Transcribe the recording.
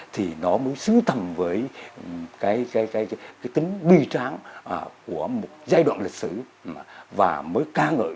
thì nó mới sưu tầm với cái cái cái cái tính bi tráng của một giai đoạn lịch sử và mới ca ngợi